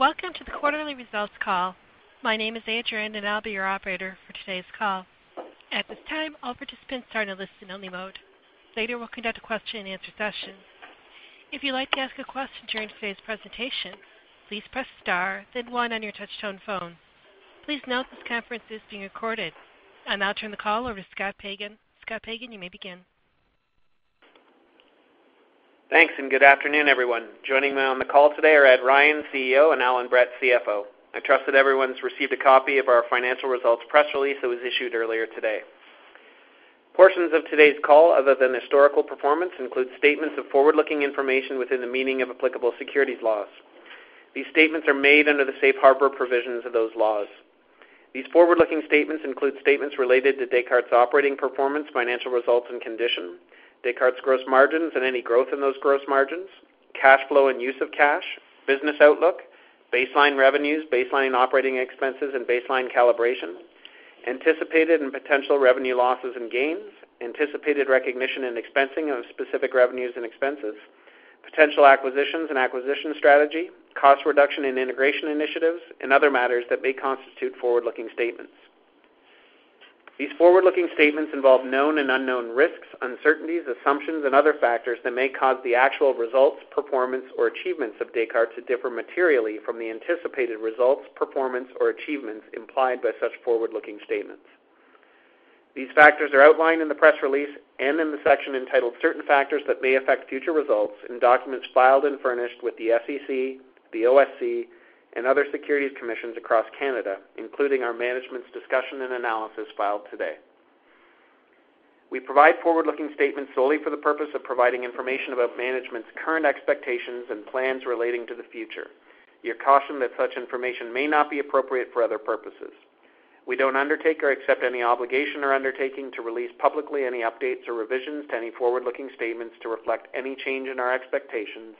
Welcome to the quarterly results call. My name is Adrienne, and I'll be your operator for today's call. At this time, all participants are in a listen-only mode. Later, we'll conduct a question and answer session. If you'd like to ask a question during today's presentation, please press star, then one on your touch-tone phone. Please note this conference is being recorded. I'll now turn the call over to Scott Pagan. Scott Pagan, you may begin. Thanks. Good afternoon, everyone. Joining me on the call today are Ed Ryan, CEO, and Allan Brett, CFO. I trust that everyone's received a copy of our financial results press release that was issued earlier today. Portions of today's call, other than historical performance, include statements of forward-looking information within the meaning of applicable securities laws. These statements are made under the Safe Harbor provisions of those laws. These forward-looking statements include statements related to Descartes' operating performance, financial results, and condition, Descartes' gross margins and any growth in those gross margins, cash flow and use of cash, business outlook, baseline revenues, baseline operating expenses, and baseline calibration, anticipated and potential revenue losses and gains, anticipated recognition and expensing of specific revenues and expenses, potential acquisitions and acquisition strategy, cost reduction and integration initiatives, and other matters that may constitute forward-looking statements. These forward-looking statements involve known and unknown risks, uncertainties, assumptions, and other factors that may cause the actual results, performance, or achievements of Descartes to differ materially from the anticipated results, performance, or achievements implied by such forward-looking statements. These factors are outlined in the press release and in the section entitled "Certain Factors That May Affect Future Results" in documents filed and furnished with the SEC, the OSC, and other securities commissions across Canada, including our management's discussion and analysis filed today. We provide forward-looking statements solely for the purpose of providing information about management's current expectations and plans relating to the future. You're cautioned that such information may not be appropriate for other purposes. We don't undertake or accept any obligation or undertaking to release publicly any updates or revisions to any forward-looking statements to reflect any change in our expectations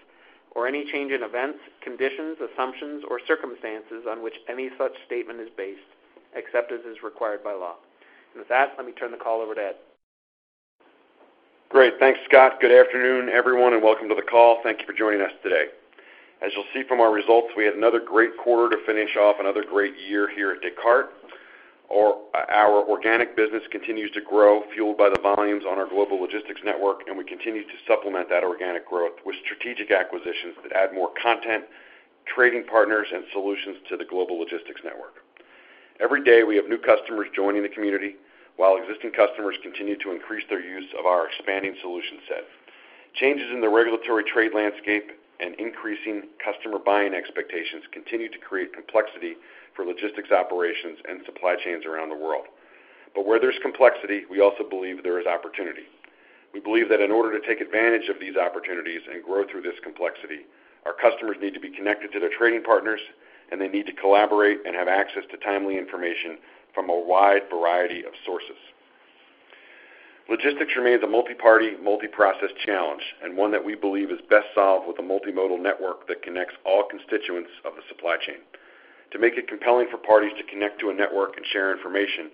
or any change in events, conditions, assumptions, or circumstances on which any such statement is based, except as is required by law. With that, let me turn the call over to Ed. Great. Thanks, Scott. Welcome to the call. Thank you for joining us today. As you'll see from our results, we had another great quarter to finish off another great year here at Descartes. Our organic business continues to grow, fueled by the volumes on our global logistics network, and we continue to supplement that organic growth with strategic acquisitions that add more content, trading partners, and solutions to the global logistics network. Every day, we have new customers joining the community, while existing customers continue to increase their use of our expanding solution set. Changes in the regulatory trade landscape and increasing customer buying expectations continue to create complexity for logistics operations and supply chains around the world. Where there's complexity, we also believe there is opportunity. We believe that in order to take advantage of these opportunities and grow through this complexity, our customers need to be connected to their trading partners, and they need to collaborate and have access to timely information from a wide variety of sources. Logistics remains a multi-party, multi-process challenge and one that we believe is best solved with a multimodal network that connects all constituents of the supply chain. To make it compelling for parties to connect to a network and share information,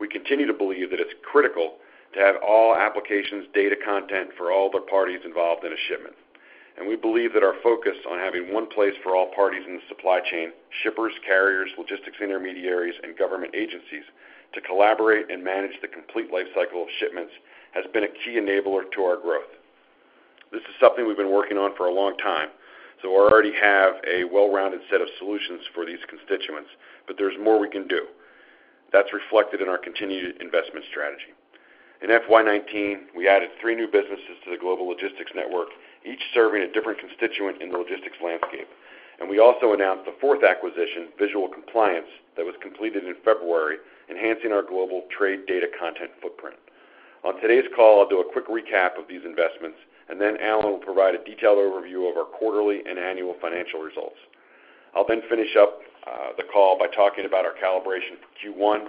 we continue to believe that it's critical to have all applications, data content for all the parties involved in a shipment. We believe that our focus on having one place for all parties in the supply chain, shippers, carriers, logistics intermediaries, and government agencies to collaborate and manage the complete life cycle of shipments has been a key enabler to our growth. This is something we've been working on for a long time, so we already have a well-rounded set of solutions for these constituents, but there's more we can do. That's reflected in our continued investment strategy. In FY 2019, we added three new businesses to the global logistics network, each serving a different constituent in the logistics landscape. We also announced the fourth acquisition, Visual Compliance, that was completed in February, enhancing our global trade data content footprint. On today's call, I'll do a quick recap of these investments, and then Allan will provide a detailed overview of our quarterly and annual financial results. I'll then finish up the call by talking about our calibration for Q1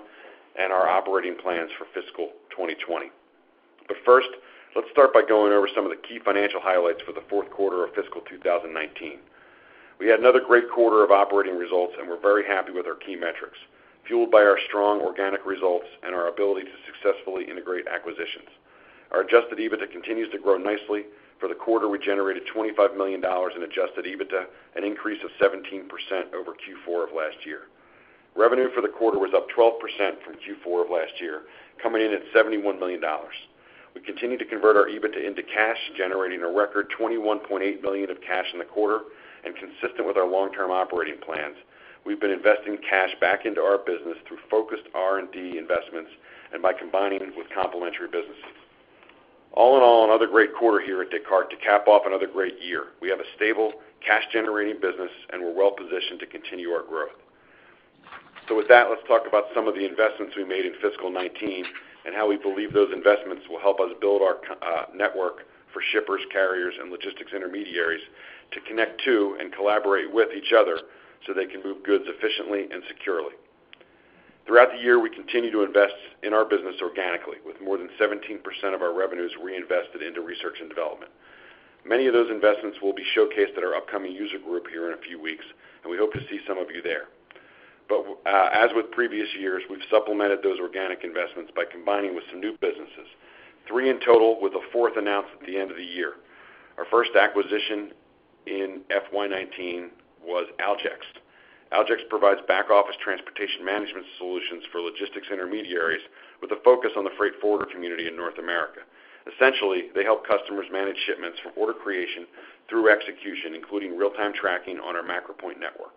and our operating plans for fiscal 2020. First, let's start by going over some of the key financial highlights for the fourth quarter of fiscal 2019. We had another great quarter of operating results, and we're very happy with our key metrics, fueled by our strong organic results and our ability to successfully integrate acquisitions. Our Adjusted EBITDA continues to grow nicely. For the quarter, we generated $25 million in Adjusted EBITDA, an increase of 17% over Q4 of last year. Revenue for the quarter was up 12% from Q4 of last year, coming in at $71 million. We continued to convert our Adjusted EBITDA into cash, generating a record $21.8 million of cash in the quarter. Consistent with our long-term operating plans, we've been investing cash back into our business through focused R&D investments and by combining with complementary businesses. All in all, another great quarter here at Descartes to cap off another great year. We have a stable, cash-generating business, and we're well-positioned to continue our growth. With that, let's talk about some of the investments we made in fiscal 2019 and how we believe those investments will help us build our network for shippers, carriers, and logistics intermediaries to connect to and collaborate with each other so they can move goods efficiently and securely. Throughout the year, we continued to invest in our business organically, with more than 17% of our revenues reinvested into research and development. Many of those investments will be showcased at our upcoming user group here in a few weeks, and we hope to see some of you there. But as with previous years, we've supplemented those organic investments by combining with some new businesses. Three in total, with a fourth announced at the end of the year. Our first acquisition in FY 2019 was Aljex. Aljex provides back-office transportation management solutions for logistics intermediaries with a focus on the freight forwarder community in North America. Essentially, they help customers manage shipments from order creation through execution, including real-time tracking on our MacroPoint network.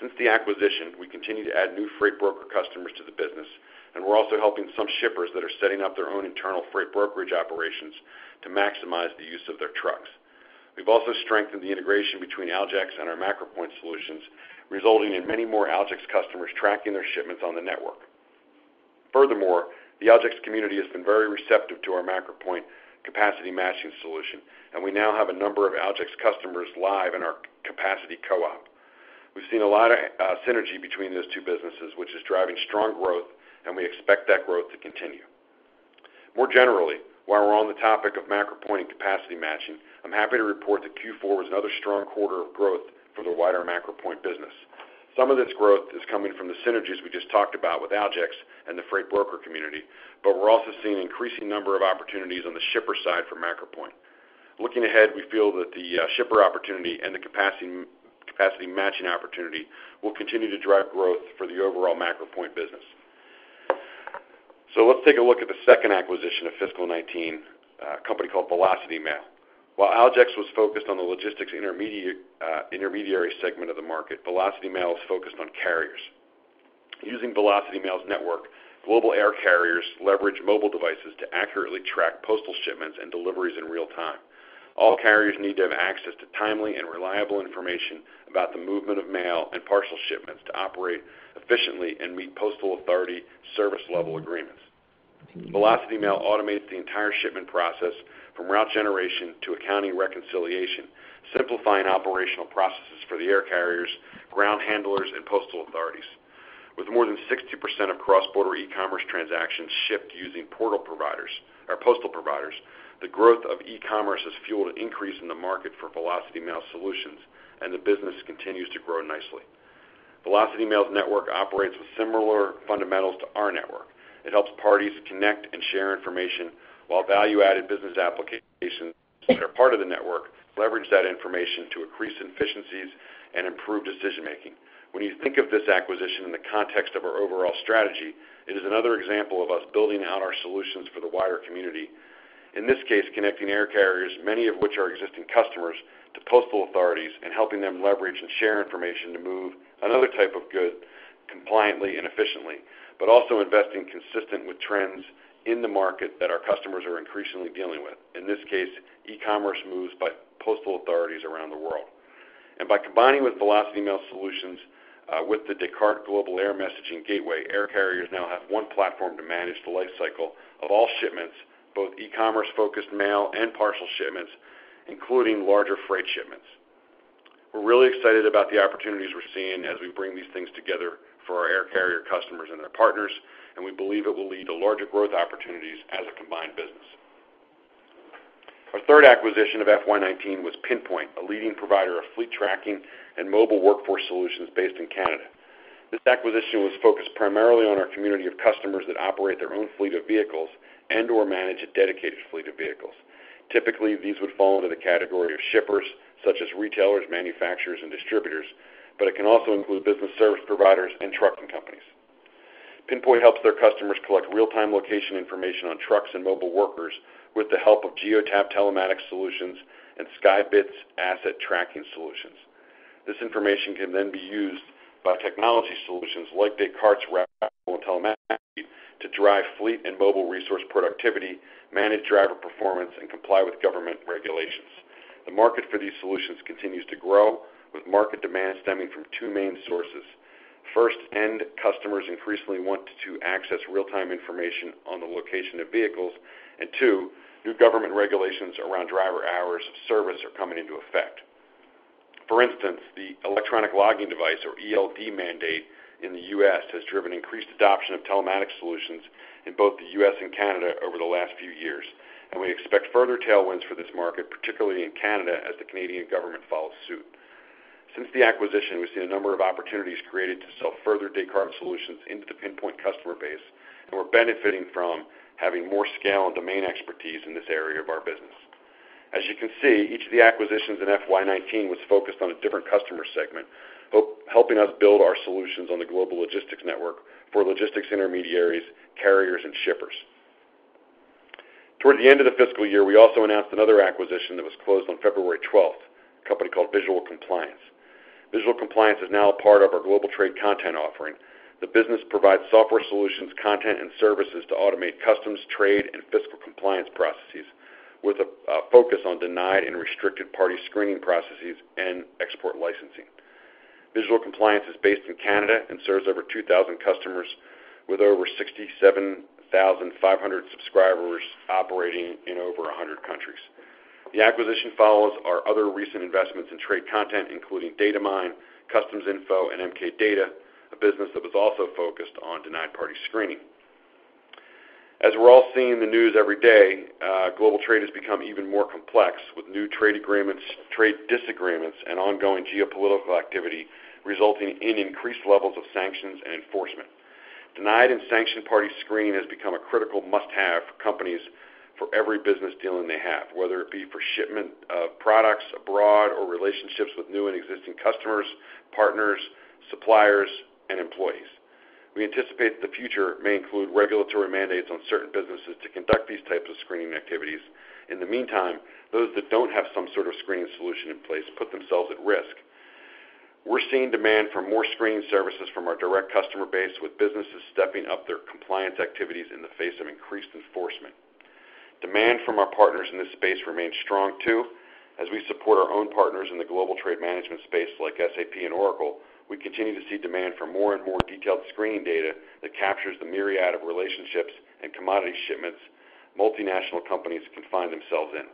Since the acquisition, we continue to add new freight broker customers to the business, and we're also helping some shippers that are setting up their own internal freight brokerage operations to maximize the use of their trucks. We've also strengthened the integration between Aljex and our MacroPoint solutions, resulting in many more Aljex customers tracking their shipments on the network. Furthermore, the Aljex community has been very receptive to our MacroPoint capacity matching solution, and we now have a number of Aljex customers live in our Capacity Co-op. We've seen a lot of synergy between those two businesses, which is driving strong growth, and we expect that growth to continue. More generally, while we're on the topic of MacroPoint and capacity matching, I'm happy to report that Q4 was another strong quarter of growth for the wider MacroPoint business. Some of this growth is coming from the synergies we just talked about with Aljex and the freight broker community, but we're also seeing an increasing number of opportunities on the shipper side for MacroPoint. Looking ahead, we feel that the shipper opportunity and the capacity matching opportunity will continue to drive growth for the overall MacroPoint business. Let's take a look at the second acquisition of fiscal 2019, a company called Velocity Mail. While Aljex was focused on the logistics intermediary segment of the market, Velocity Mail is focused on carriers. Using Velocity Mail's network, global air carriers leverage mobile devices to accurately track postal shipments and deliveries in real time. All carriers need to have access to timely and reliable information about the movement of mail and parcel shipments to operate efficiently and meet postal authority service level agreements. Velocity Mail automates the entire shipment process, from route generation to accounting reconciliation, simplifying operational processes for the air carriers, ground handlers, and postal authorities. With more than 60% of cross-border e-commerce transactions shipped using postal providers, the growth of e-commerce has fueled an increase in the market for Velocity Mail solutions, and the business continues to grow nicely. Velocity Mail's network operates with similar fundamentals to our network. It helps parties connect and share information while value-added business applications that are part of the network leverage that information to increase efficiencies and improve decision-making. When you think of this acquisition in the context of our overall strategy, it is another example of us building out our solutions for the wider community. In this case, connecting air carriers, many of which are existing customers, to postal authorities and helping them leverage and share information to move another type of good compliantly and efficiently, but also investing consistent with trends in the market that our customers are increasingly dealing with. In this case, e-commerce moves by postal authorities around the world. By combining with Velocity Mail solutions with the Descartes Global Air Messaging Gateway, air carriers now have one platform to manage the life cycle of all shipments, both e-commerce-focused mail and parcel shipments, including larger freight shipments. We're really excited about the opportunities we're seeing as we bring these things together for our air carrier customers and our partners. We believe it will lead to larger growth opportunities as a combined business. Our third acquisition of FY 2019 was PinPoint, a leading provider of fleet tracking and mobile workforce solutions based in Canada. This acquisition was focused primarily on our community of customers that operate their own fleet of vehicles and/or manage a dedicated fleet of vehicles. Typically, these would fall into the category of shippers, such as retailers, manufacturers, and distributors, but it can also include business service providers and trucking companies. PinPoint helps their customers collect real-time location information on trucks and mobile workers with the help of Geotab telematics solutions and SkyBitz's asset tracking solutions. This information can then be used by technology solutions like Descartes' telematics to drive fleet and mobile resource productivity, manage driver performance, and comply with government regulations. The market for these solutions continues to grow with market demand stemming from two main sources. First, end customers increasingly want to access real-time information on the location of vehicles. Two, new government regulations around driver hours of service are coming into effect. For instance, the electronic logging device, or ELD mandate in the U.S. has driven increased adoption of telematics solutions in both the U.S. and Canada over the last few years. We expect further tailwinds for this market, particularly in Canada, as the Canadian government follows suit. Since the acquisition, we've seen a number of opportunities created to sell further Descartes solutions into the PinPoint customer base. We're benefiting from having more scale and domain expertise in this area of our business. As you can see, each of the acquisitions in FY 2019 was focused on a different customer segment, helping us build our solutions on the global logistics network for logistics intermediaries, carriers, and shippers. Toward the end of the fiscal year, we also announced another acquisition that was closed on February 12th, a company called Visual Compliance. Visual Compliance is now a part of our global trade content offering. The business provides software solutions, content, and services to automate customs, trade, and fiscal compliance processes with a focus on denied and restricted party screening processes and export licensing. Visual Compliance is based in Canada and serves over 2,000 customers with over 67,500 subscribers operating in over 100 countries. The acquisition follows our other recent investments in trade content, including Datamyne, Customs Info, and MK Data, a business that was also focused on denied party screening. As we're all seeing in the news every day, global trade has become even more complex, with new trade agreements, trade disagreements, and ongoing geopolitical activity resulting in increased levels of sanctions and enforcement. Denied and Sanctioned Party screening has become a critical must-have for companies for every business dealing they have, whether it be for shipment of products abroad or relationships with new and existing customers, partners, suppliers, and employees. We anticipate the future may include regulatory mandates on certain businesses to conduct these types of screening activities. In the meantime, those that don't have some sort of screening solution in place put themselves at risk. We're seeing demand for more screening services from our direct customer base, with businesses stepping up their compliance activities in the face of increased enforcement. Demand from our partners in this space remains strong, too. As we support our own partners in the global trade management space, like SAP and Oracle, we continue to see demand for more and more detailed screening data that captures the myriad of relationships and commodity shipments multinational companies can find themselves in.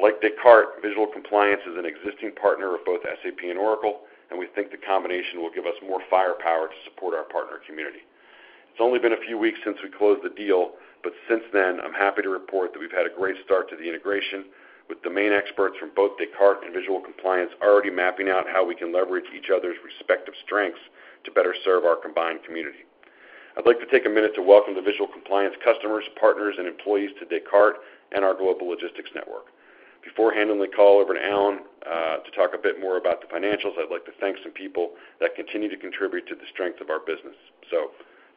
Like Descartes, Visual Compliance is an existing partner of both SAP and Oracle, we think the combination will give us more firepower to support our partner community. It's only been a few weeks since we closed the deal, but since then, I'm happy to report that we've had a great start to the integration with domain experts from both Descartes and Visual Compliance already mapping out how we can leverage each other's respective strengths to better serve our combined community. I'd like to take a minute to welcome the Visual Compliance customers, partners, and employees to Descartes and our global logistics network. Before handing the call over to Allan to talk a bit more about the financials, I'd like to thank some people that continue to contribute to the strength of our business.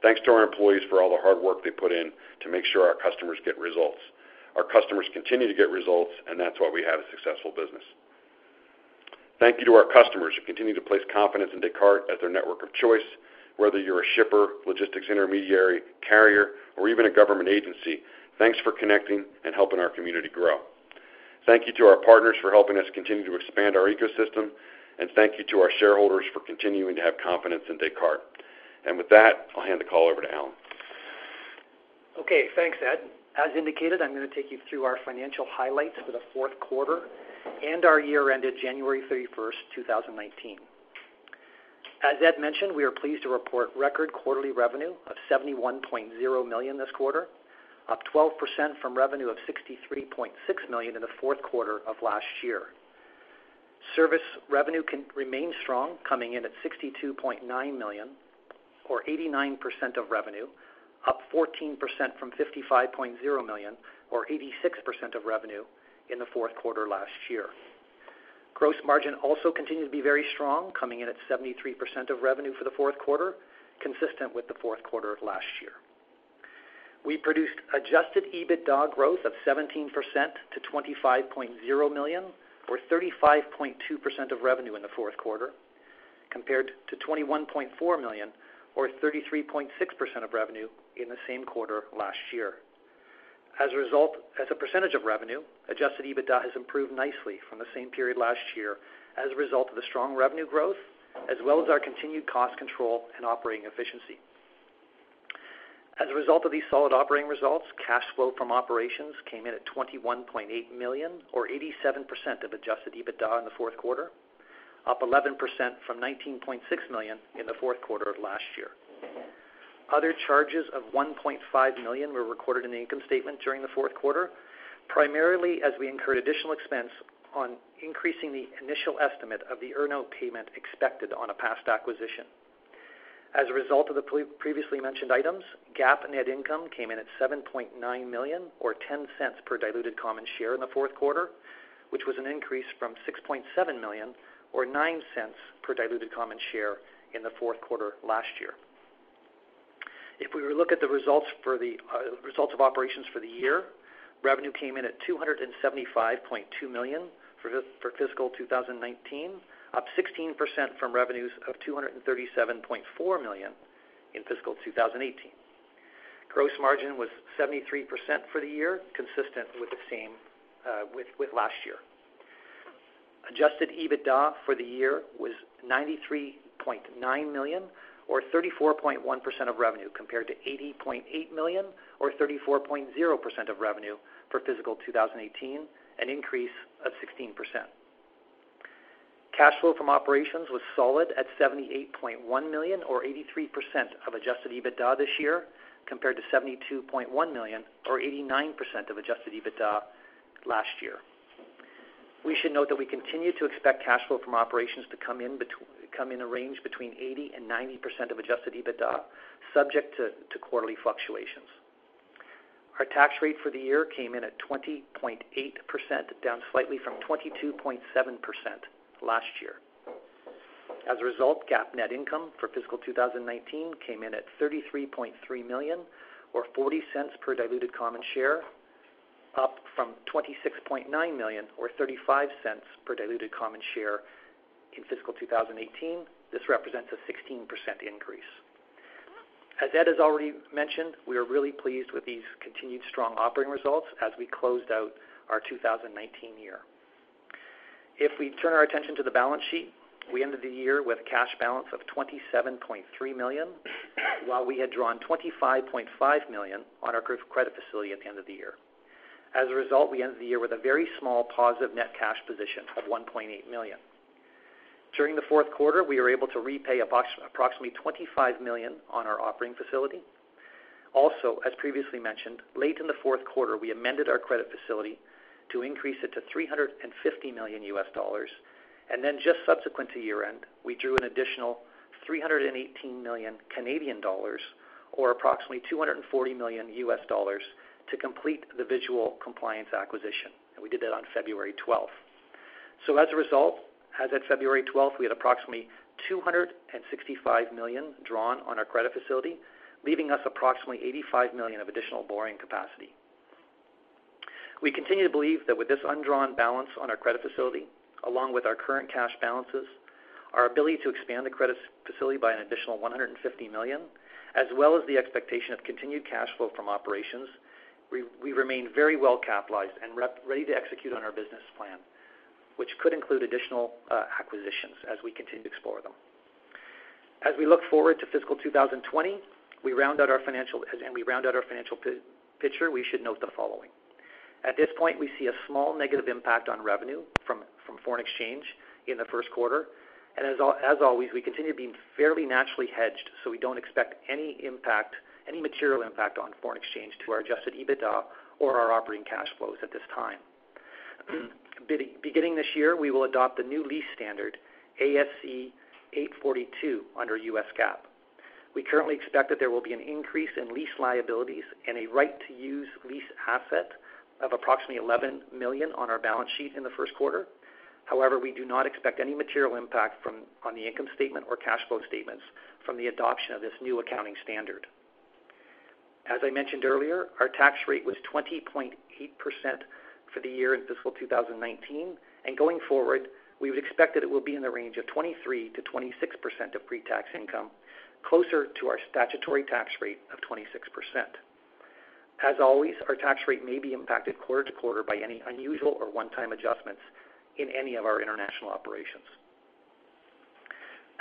Thanks to our employees for all the hard work they put in to make sure our customers get results. Our customers continue to get results, and that's why we have a successful business. Thank you to our customers who continue to place confidence in Descartes as their network of choice, whether you're a shipper, logistics intermediary, carrier, or even a government agency. Thanks for connecting and helping our community grow. Thank you to our partners for helping us continue to expand our ecosystem. Thank you to our shareholders for continuing to have confidence in Descartes. With that, I'll hand the call over to Allan. Okay, thanks, Ed. As indicated, I'm going to take you through our financial highlights for the fourth quarter and our year ended January 31st, 2019. As Ed mentioned, we are pleased to report record quarterly revenue of $71.0 million this quarter, up 12% from revenue of 63.6 million in the fourth quarter of last year. Service revenue remains strong, coming in at 62.9 million, or 89% of revenue, up 14% from 55.0 million, or 86% of revenue, in the fourth quarter last year. Gross margin also continued to be very strong, coming in at 73% of revenue for the fourth quarter, consistent with the fourth quarter of last year. We produced adjusted EBITDA growth of 17% to 25.0 million, or 35.2% of revenue in the fourth quarter, compared to 21.4 million, or 33.6% of revenue in the same quarter last year. As a percentage of revenue, adjusted EBITDA has improved nicely from the same period last year as a result of the strong revenue growth, as well as our continued cost control and operating efficiency. As a result of these solid operating results, cash flow from operations came in at 21.8 million, or 87% of adjusted EBITDA in the fourth quarter, up 11% from 19.6 million in the fourth quarter of last year. Other charges of 1.5 million were recorded in the income statement during the fourth quarter, primarily as we incurred additional expense on increasing the initial estimate of the earnout payment expected on a past acquisition. As a result of the previously mentioned items, GAAP net income came in at 7.9 million, or 0.10 per diluted common share in the fourth quarter, which was an increase from 6.7 million, or 0.09 per diluted common share in the fourth quarter last year. If we were to look at the results of operations for the year, revenue came in at 275.2 million for fiscal 2019, up 16% from revenues of 237.4 million in fiscal 2018. Gross margin was 73% for the year, consistent with last year. Adjusted EBITDA for the year was 93.9 million, or 34.1% of revenue, compared to 80.8 million, or 34.0% of revenue for fiscal 2018, an increase of 16%. Cash flow from operations was solid at 78.1 million, or 83% of adjusted EBITDA this year, compared to 72.1 million, or 89% of adjusted EBITDA last year. We should note that we continue to expect cash flow from operations to come in a range between 80%-90% of adjusted EBITDA, subject to quarterly fluctuations. Our tax rate for the year came in at 20.8%, down slightly from 22.7% last year. As a result, GAAP net income for fiscal 2019 came in at 33.3 million, or 0.40 per diluted common share, up from 26.9 million, or 0.35 per diluted common share in fiscal 2018. This represents a 16% increase. As Ed has already mentioned, we are really pleased with these continued strong operating results as we closed out our 2019 year. If we turn our attention to the balance sheet, we ended the year with a cash balance of 27.3 million, while we had drawn 25.5 million on our group credit facility at the end of the year. We ended the year with a very small positive net cash position of $1.8 million. During the fourth quarter, we were able to repay approximately $25 million on our operating facility. Also, as previously mentioned, late in the fourth quarter, we amended our credit facility to increase it to $350 million U.S. Just subsequent to year-end, we drew an additional 318 million Canadian dollars, or approximately $240 million U.S., to complete the Visual Compliance acquisition, and we did that on February 12th. As a result, as at February 12th, we had approximately $265 million drawn on our credit facility, leaving us approximately $85 million of additional borrowing capacity. We continue to believe that with this undrawn balance on our credit facility, along with our current cash balances, our ability to expand the credit facility by an additional $150 million, as well as the expectation of continued cash flow from operations, we remain very well capitalized and ready to execute on our business plan, which could include additional acquisitions as we continue to explore them. As we look forward to fiscal 2020, we round out our financial picture, we should note the following. At this point, we see a small negative impact on revenue from foreign exchange in the first quarter. As always, we continue to be fairly naturally hedged, so we don't expect any material impact on foreign exchange to our Adjusted EBITDA or our operating cash flows at this time. Beginning this year, we will adopt the new lease standard, ASC 842 under U.S. GAAP. We currently expect that there will be an increase in lease liabilities and a right-to-use lease asset of approximately $11 million on our balance sheet in the first quarter. However, we do not expect any material impact on the income statement or cash flow statements from the adoption of this new accounting standard. As I mentioned earlier, our tax rate was 20.8% for the year in fiscal 2019. Going forward, we would expect that it will be in the range of 23%-26% of pre-tax income, closer to our statutory tax rate of 26%. As always, our tax rate may be impacted quarter to quarter by any unusual or one-time adjustments in any of our international operations.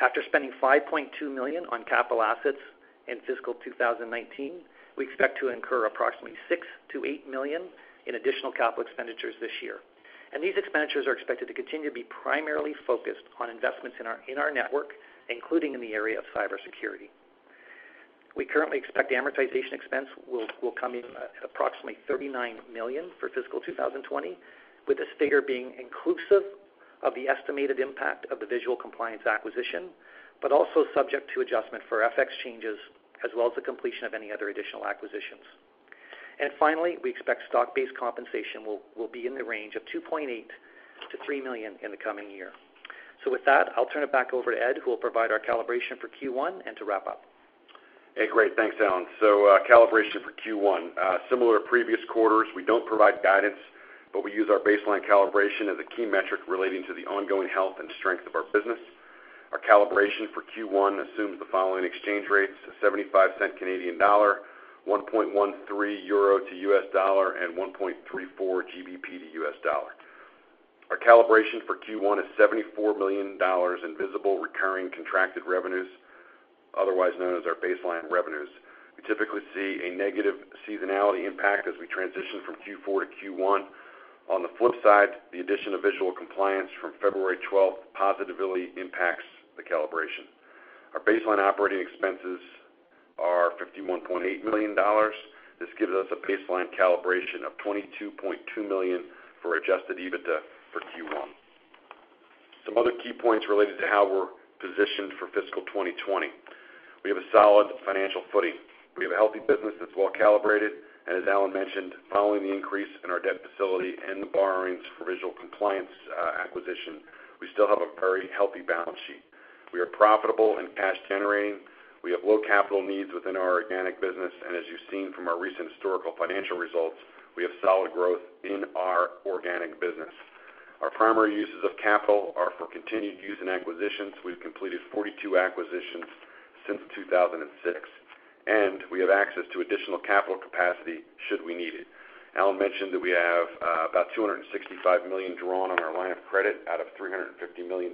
After spending $5.2 million on capital assets in fiscal 2019, we expect to incur approximately $6 million-$8 million in additional capital expenditures this year. These expenditures are expected to continue to be primarily focused on investments in our network, including in the area of cybersecurity. We currently expect amortization expense will come in at approximately $39 million for fiscal 2020, with this figure being inclusive of the estimated impact of the Visual Compliance acquisition, but also subject to adjustment for FX changes as well as the completion of any other additional acquisitions. Finally, we expect stock-based compensation will be in the range of $2.8 million-$3 million in the coming year. With that, I'll turn it back over to Ed, who will provide our calibration for Q1 and to wrap up. Great. Thanks, Allan. Calibration for Q1. Similar to previous quarters, we don't provide guidance, but we use our baseline calibration as a key metric relating to the ongoing health and strength of our business. Our calibration for Q1 assumes the following exchange rates: 0.75, EUR 1.13 to US dollar, and 1.34 GBP to US dollar. Our calibration for Q1 is $74 million in visible recurring contracted revenues, otherwise known as our baseline revenues. We typically see a negative seasonality impact as we transition from Q4 to Q1. On the flip side, the addition of Visual Compliance from February 12th positively impacts the calibration. Our baseline operating expenses are $51.8 million. This gives us a baseline calibration of $22.2 million for Adjusted EBITDA for Q1. Some other key points related to how we're positioned for fiscal 2020. We have a solid financial footing. We have a healthy business that's well-calibrated, and as Allan mentioned, following the increase in our debt facility and the borrowings for Visual Compliance acquisition, we still have a very healthy balance sheet. We are profitable and cash-generating. We have low capital needs within our organic business, and as you've seen from our recent historical financial results, we have solid growth in our organic business. Our primary uses of capital are for continued use in acquisitions. We've completed 42 acquisitions since 2006. We have access to additional capital capacity should we need it. Allan mentioned that we have about $265 million drawn on our line of credit out of $350 million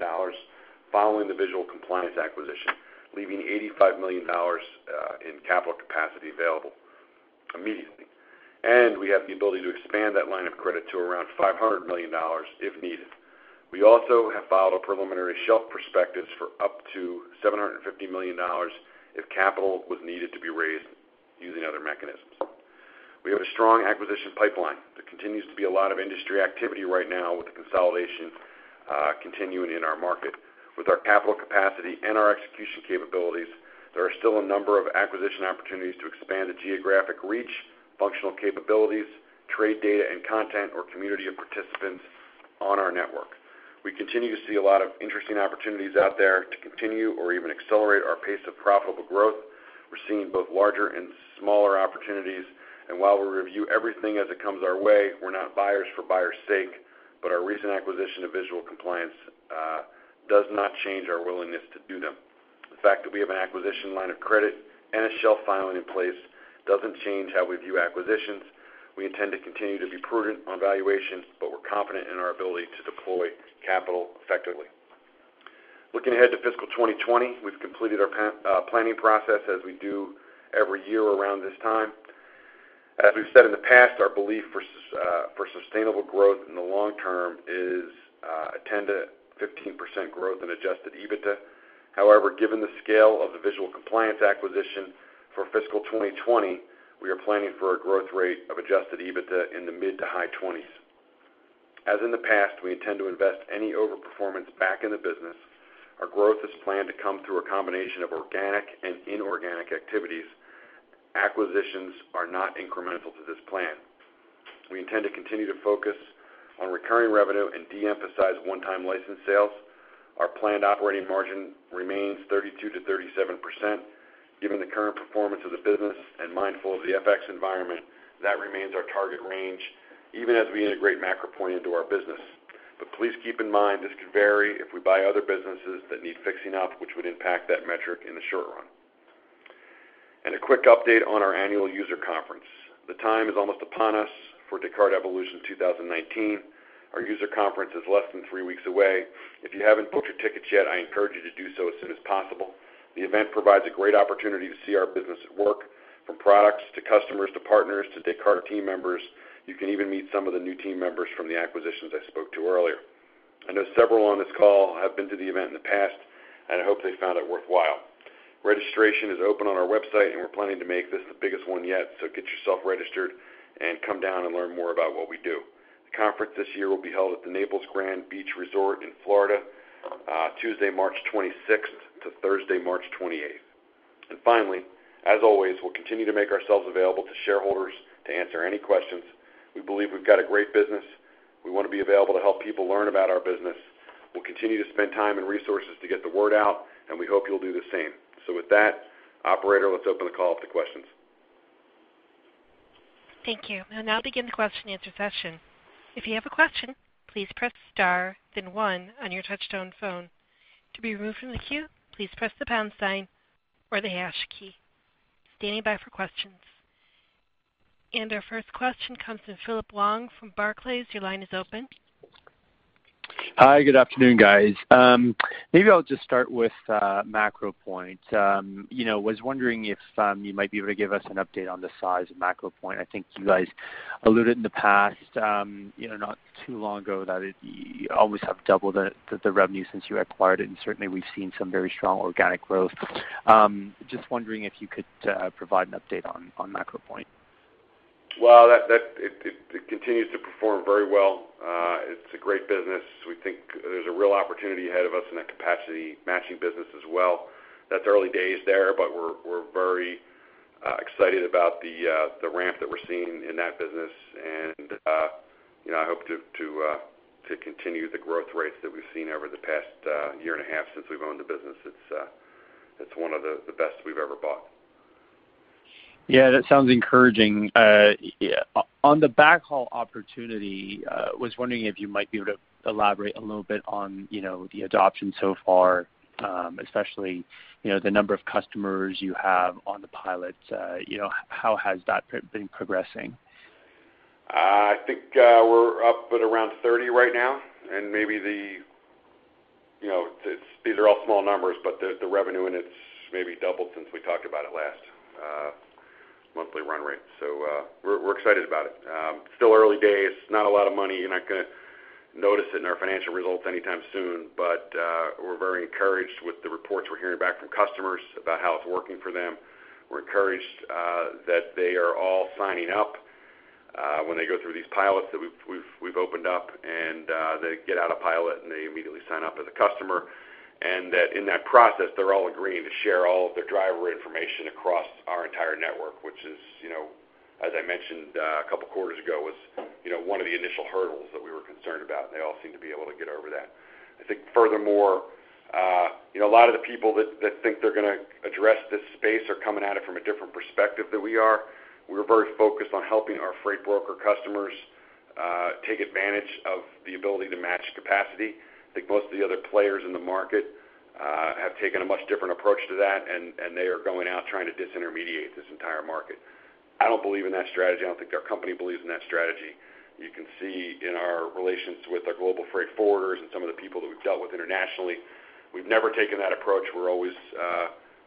following the Visual Compliance acquisition, leaving $85 million in capital capacity available immediately. We have the ability to expand that line of credit to around $500 million if needed. We also have filed our preliminary shelf prospectus for up to $750 million if capital was needed to be raised using other mechanisms. We have a strong acquisition pipeline. There continues to be a lot of industry activity right now with the consolidation continuing in our market. With our capital capacity and our execution capabilities, there are still a number of acquisition opportunities to expand the geographic reach, functional capabilities, trade data and content, or community of participants on our network. We continue to see a lot of interesting opportunities out there to continue or even accelerate our pace of profitable growth. We're seeing both larger and smaller opportunities, and while we review everything as it comes our way, we're not buyers for buyers' sake, but our recent acquisition of Visual Compliance does not change our willingness to do them. The fact that we have an acquisition line of credit and a shelf filing in place doesn't change how we view acquisitions. We intend to continue to be prudent on valuations, but we're confident in our ability to deploy capital effectively. Looking ahead to fiscal 2020, we've completed our planning process as we do every year around this time. As we've said in the past, our belief for sustainable growth in the long term is a 10%-15% growth in Adjusted EBITDA. However, given the scale of the Visual Compliance acquisition for fiscal 2020, we are planning for a growth rate of Adjusted EBITDA in the mid to high 20s. As in the past, we intend to invest any over-performance back in the business. Our growth is planned to come through a combination of organic and inorganic activities. Acquisitions are not incremental to this plan. We intend to continue to focus on recurring revenue and de-emphasize one-time license sales. Our planned operating margin remains 32%-37%. Given the current performance of the business and mindful of the FX environment, that remains our target range, even as we integrate MacroPoint into our business. Please keep in mind this could vary if we buy other businesses that need fixing up, which would impact that metric in the short run. A quick update on our annual user conference. The time is almost upon us for Descartes Evolution 2019. Our user conference is less than three weeks away. If you haven't booked your tickets yet, I encourage you to do so as soon as possible. The event provides a great opportunity to see our business at work, from products to customers to partners to Descartes team members. You can even meet some of the new team members from the acquisitions I spoke to earlier. I know several on this call have been to the event in the past, and I hope they found it worthwhile. Registration is open on our website, and we're planning to make this the biggest one yet, get yourself registered and come down and learn more about what we do. The conference this year will be held at the Naples Grande Beach Resort in Florida, Tuesday, March 26th to Thursday, March 28th. Finally, as always, we'll continue to make ourselves available to shareholders to answer any questions. We believe we've got a great business. We want to be available to help people learn about our business. We'll continue to spend time and resources to get the word out, and we hope you'll do the same. With that, Operator, let's open the call up to questions. Thank you. We'll now begin the question and answer session. If you have a question, please press star then one on your touch-tone phone. To be removed from the queue, please press the pound sign or the hash key. Standing by for questions. Our first question comes from Philip Wong from Barclays. Your line is open. Hi. Good afternoon, guys. Maybe I'll just start with MacroPoint. Was wondering if you might be able to give us an update on the size of MacroPoint. I think you guys alluded in the past, not too long ago, that you always have doubled the revenue since you acquired it, and certainly we've seen some very strong organic growth. Just wondering if you could provide an update on MacroPoint. Well, it continues to perform very well. It's a great business. We think there's a real opportunity ahead of us in that capacity matching business as well. That's early days there, but we're very excited about the ramp that we're seeing in that business, and I hope to continue the growth rates that we've seen over the past year and a half since we've owned the business. It's one of the best we've ever bought. Yeah, that sounds encouraging. On the Backhaul opportunity, was wondering if you might be able to elaborate a little bit on the adoption so far, especially the number of customers you have on the pilot. How has that been progressing? I think we're up at around 30 right now, and maybe these are all small numbers, but the revenue in it maybe doubled since we talked about it last monthly run rate. We're excited about it. Still early days, not a lot of money. You're not going to notice it in our financial results anytime soon, but we're very encouraged with the reports we're hearing back from customers about how it's working for them. We're encouraged that they are all signing up when they go through these pilots that we've opened up, and they get out of pilot, and they immediately sign up as a customer. In that process, they're all agreeing to share all of their driver information across our entire network, which as I mentioned a couple of quarters ago, was one of the initial hurdles that we were concerned about, and they all seem to be able to get over that. I think furthermore a lot of the people that think they're going to address this space are coming at it from a different perspective than we are. We're very focused on helping our freight broker customers take advantage of the ability to match capacity. I think most of the other players in the market have taken a much different approach to that. They are going out trying to disintermediate this entire market. I don't believe in that strategy. I don't think our company believes in that strategy. You can see in our relations with our global freight forwarders and some of the people that we've dealt with internationally, we've never taken that approach. We're always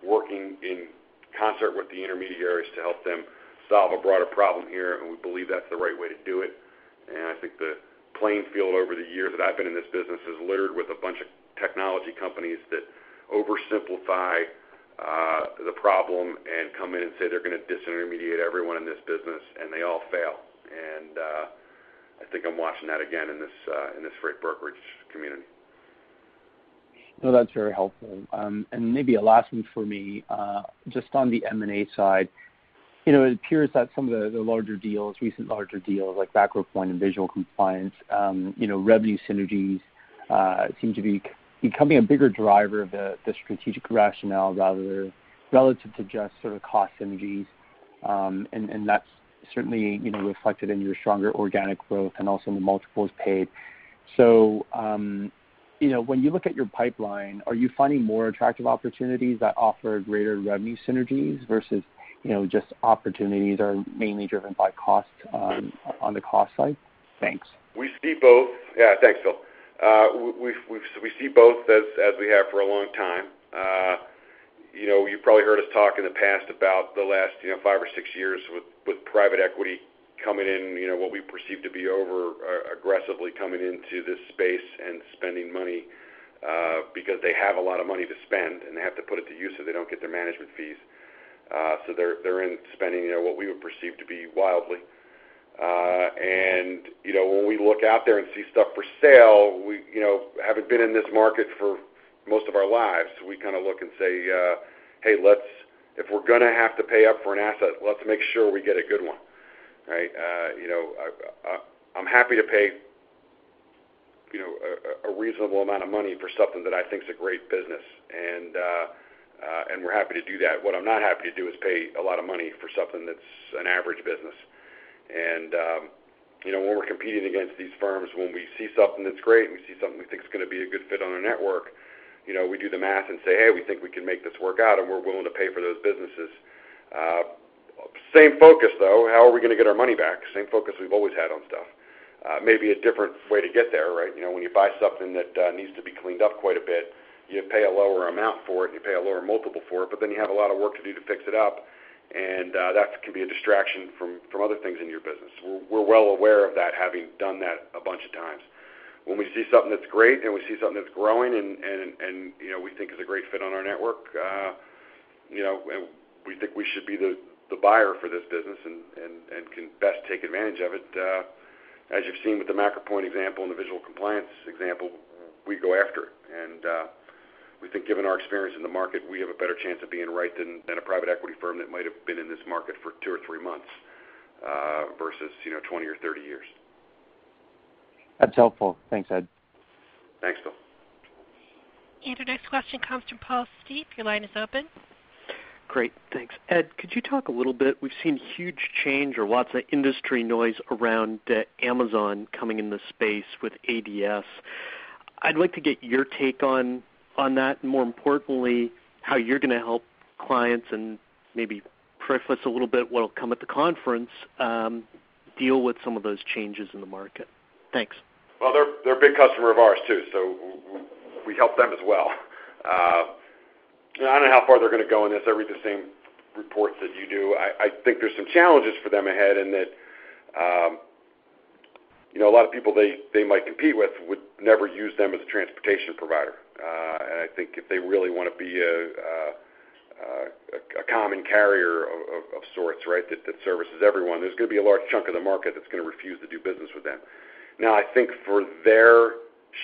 working in concert with the intermediaries to help them solve a broader problem here. We believe that's the right way to do it. I think the playing field over the years that I've been in this business is littered with a bunch of technology companies that oversimplify the problem and come in and say they're going to disintermediate everyone in this business. They all fail. I think I'm watching that again in this freight brokerage community. No, that's very helpful. Maybe a last one for me, just on the M&A side. It appears that some of the larger deals, recent larger deals like Backhaul and PinPoint and Visual Compliance, revenue synergies seem to be becoming a bigger driver of the strategic rationale rather relative to just sort of cost synergies. That's certainly reflected in your stronger organic growth and also in the multiples paid. When you look at your pipeline, are you finding more attractive opportunities that offer greater revenue synergies versus just opportunities are mainly driven by cost on the cost side? Thanks. We see both. Yeah. Thanks, Phil. We see both as we have for a long time. You probably heard us talk in the past about the last five or six years with private equity coming in, what we perceive to be over aggressively coming into this space and spending money, because they have a lot of money to spend, and they have to put it to use so they don't get their management fees. They're in spending, what we would perceive to be wildly. When we look out there and see stuff for sale, we, having been in this market for most of our lives, we kind of look and say, "Hey, if we're going to have to pay up for an asset, let's make sure we get a good one." Right? I'm happy to pay a reasonable amount of money for something that I think is a great business, and we're happy to do that. What I'm not happy to do is pay a lot of money for something that's an average business. When we're competing against these firms, when we see something that's great, and we see something we think is going to be a good fit on our network, we do the math and say, "Hey, we think we can make this work out," and we're willing to pay for those businesses. Same focus, though. How are we going to get our money back? Same focus we've always had on stuff. Maybe a different way to get there, right? When you buy something that needs to be cleaned up quite a bit, you pay a lower amount for it, and you pay a lower multiple for it, but then you have a lot of work to do to fix it up. That can be a distraction from other things in your business. We're well aware of that, having done that a bunch of times. When we see something that's great, and we see something that's growing, and we think is a great fit on our network, and we think we should be the buyer for this business and can best take advantage of it, as you've seen with the MacroPoint example and the Visual Compliance example, we go after it. We think, given our experience in the market, we have a better chance of being right than a private equity firm that might have been in this market for two or three months versus 20 or 30 years. That's helpful. Thanks, Ed. Thanks, Phil. Our next question comes from Paul Steep. Your line is open. Great. Thanks. Ed, could you talk a little bit. We've seen huge change or lots of industry noise around Amazon coming in the space with ADS. I'd like to get your take on that, more importantly, how you're going to help clients, and maybe preface a little bit what'll come at the conference, deal with some of those changes in the market. Thanks. Well, they're a big customer of ours, too, so we help them as well. I don't know how far they're going to go in this. I read the same reports that you do. I think there's some challenges for them ahead, and that a lot of people they might compete with would never use them as a transportation provider. I think if they really want to be a common carrier of sorts that services everyone, there's going to be a large chunk of the market that's going to refuse to do business with them. I think for their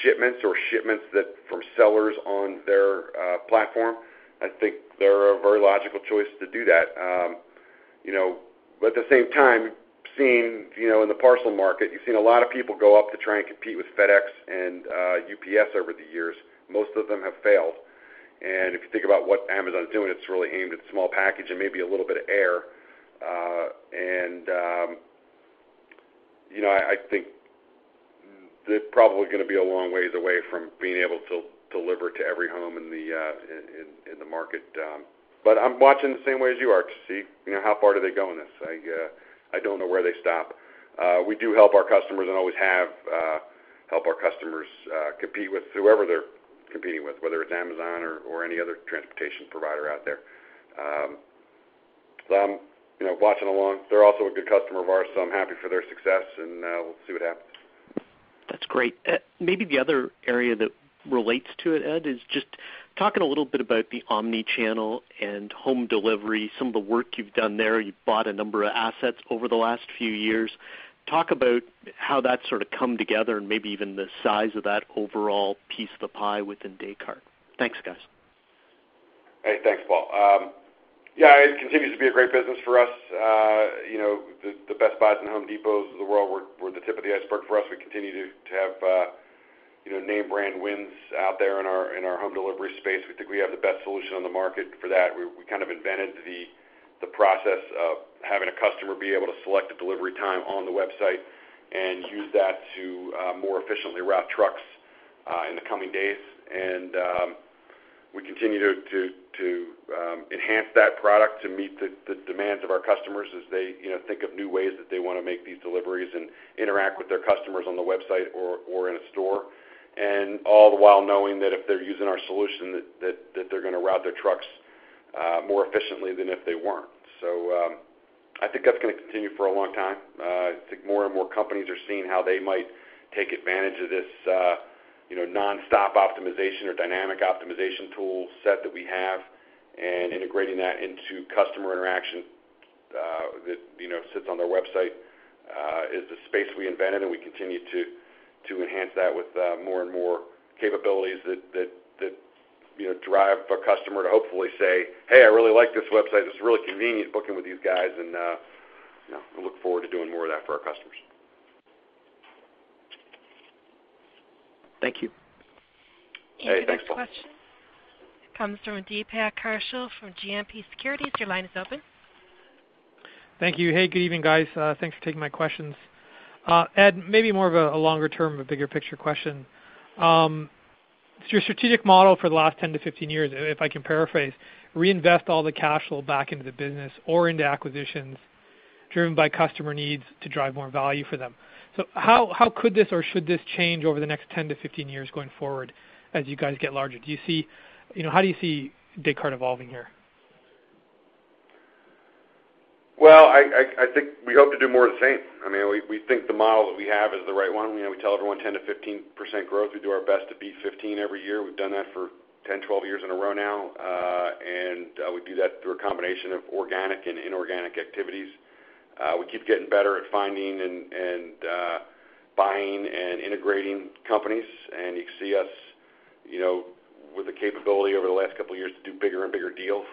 shipments or shipments from sellers on their platform, I think they're a very logical choice to do that. At the same time, in the parcel market, you've seen a lot of people go up to try and compete with FedEx and UPS over the years. Most of them have failed. If you think about what Amazon's doing, it's really aimed at small package and maybe a little bit of air. I think they're probably going to be a long ways away from being able to deliver to every home in the market. I'm watching the same way as you are to see how far do they go in this. I don't know where they stop. We do help our customers and always have helped our customers compete with whoever they're competing with, whether it's Amazon or any other transportation provider out there. I'm watching along. They're also a good customer of ours, so I'm happy for their success, and we'll see what happens. That's great. Maybe the other area that relates to it, Ed, is just talking a little bit about the omni-channel and home delivery, some of the work you've done there. You've bought a number of assets over the last few years. Talk about how that sort of come together and maybe even the size of that overall piece of the pie within Descartes. Thanks, guys. Hey, thanks, Paul. It continues to be a great business for us. The Best Buy and Home Depot of the world were the tip of the iceberg for us. We continue to have name brand wins out there in our home delivery space. We think we have the best solution on the market for that. We kind of invented the process of having a customer be able to select a delivery time on the website and use that to more efficiently route trucks in the coming days. We continue to enhance that product to meet the demands of our customers as they think of new ways that they want to make these deliveries and interact with their customers on the website or in a store. All the while knowing that if they're using our solution, that they're going to route their trucks more efficiently than if they weren't. I think that's going to continue for a long time. I think more and more companies are seeing how they might take advantage of this nonstop optimization or dynamic optimization tool set that we have and integrating that into customer interaction that sits on their website is the space we invented, and we continue to enhance that with more and more capabilities that drive a customer to hopefully say, "Hey, I really like this website. This is really convenient booking with these guys." We look forward to doing more of that for our customers. Thank you. Hey, thanks, Paul. Next question comes from Deepak Kaushal from GMP Securities. Your line is open. Thank you. Hey, good evening, guys. Thanks for taking my questions. Ed, maybe more of a longer-term, a bigger picture question. Your strategic model for the last 10-15 years, if I can paraphrase, reinvest all the cash flow back into the business or into acquisitions driven by customer needs to drive more value for them. How could this or should this change over the next 10-15 years going forward as you guys get larger? How do you see Descartes evolving here? Well, I think we hope to do more of the same. We think the model that we have is the right one. We tell everyone 10%-15% growth. We do our best to beat 15 every year. We've done that for 10, 12 years in a row now. We do that through a combination of organic and inorganic activities. We keep getting better at finding and buying and integrating companies. You can see us with the capability over the last couple of years to do bigger and bigger deals.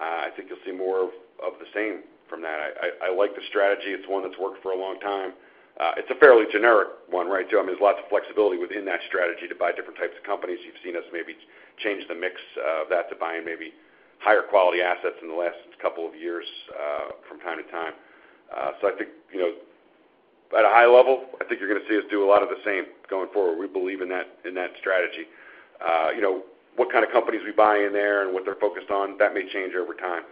I think you'll see more of the same from that. I like the strategy. It's one that's worked for a long time. It's a fairly generic one, right? There's lots of flexibility within that strategy to buy different types of companies. You've seen us maybe change the mix of that to buying maybe higher quality assets in the last couple of years from time to time. I think, at a high level, I think you're going to see us do a lot of the same going forward. We believe in that strategy. What kind of companies we buy in there and what they're focused on, that may change over time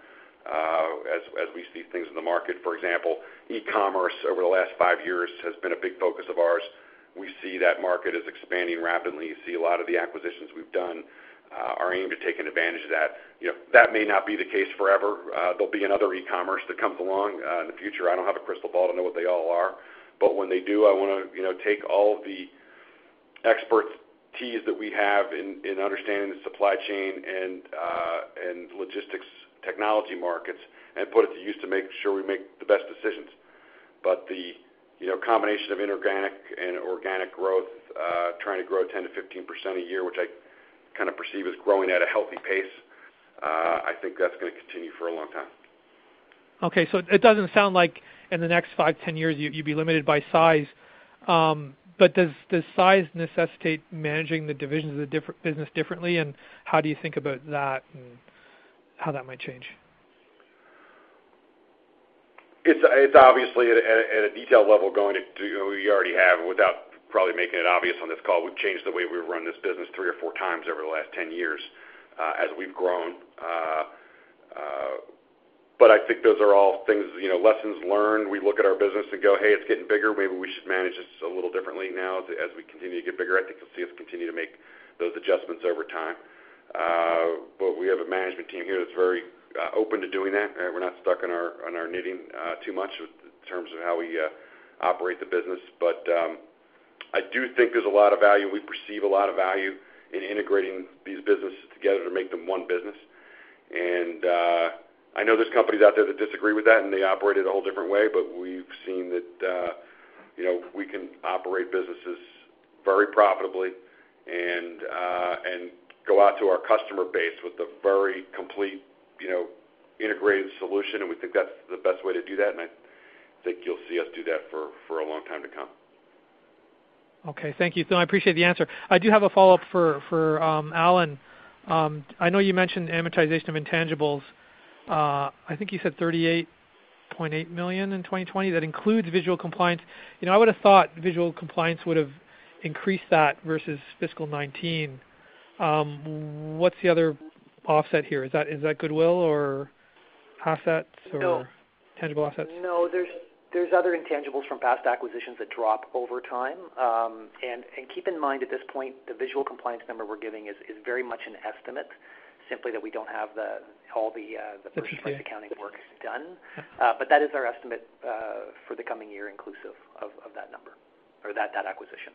as we see things in the market. For example, e-commerce over the last five years has been a big focus of ours. We see that market as expanding rapidly. You see a lot of the acquisitions we've done are aimed at taking advantage of that. That may not be the case forever. There'll be another e-commerce that comes along in the future. I don't have a crystal ball to know what they all are, when they do, I want to take all of the expertise that we have in understanding the supply chain and logistics technology markets and put it to use to make sure we make the best decisions. The combination of inorganic and organic growth, trying to grow 10%-15% a year, which I kind of perceive as growing at a healthy pace, I think that's going to continue for a long time. Okay, it doesn't sound like in the next five, 10 years, you'd be limited by size. Does size necessitate managing the divisions of the business differently, and how do you think about that and how that might change? It's obviously at a detail level. We already have, and without probably making it obvious on this call, we've changed the way we've run this business three or four times over the last 10 years as we've grown. I think those are all lessons learned. We look at our business and go, "Hey, it's getting bigger. Maybe we should manage this a little differently now as we continue to get bigger." I think you'll see us continue to make those adjustments over time. We have a management team here that's very open to doing that. We're not stuck on our knitting too much in terms of how we operate the business. I do think there's a lot of value, and we perceive a lot of value in integrating these businesses together to make them one business. I know there's companies out there that disagree with that, and they operate it a whole different way, but we've seen that we can operate businesses very profitably and go out to our customer base with a very complete integrated solution, and we think that's the best way to do that, and I think you'll see us do that for a long time to come. Okay. Thank you, Phil. I appreciate the answer. I do have a follow-up for Allan. I know you mentioned amortization of intangibles. I think you said $38.8 million in 2020. That includes Visual Compliance. I would've thought Visual Compliance would've increased that versus fiscal 2019. What's the other offset here? Is that goodwill or assets or- No tangible assets? No, there's other intangibles from past acquisitions that drop over time. Keep in mind, at this point, the Visual Compliance number we're giving is very much an estimate, simply that we don't have all the purchase price accounting work done. That is our estimate for the coming year inclusive of that number or that acquisition.